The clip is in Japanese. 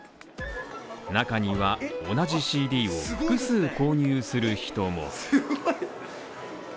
中には同じＣＤを複数購入する人も。